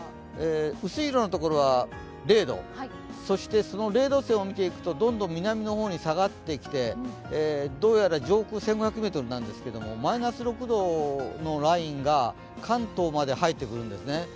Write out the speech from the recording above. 薄色の所は０度、そして０度線を見ていくとどんどん南の方に下がってきて、上空１５００ｍなんですけど、マイナス６度のラインが関東まで入ってくるんですね。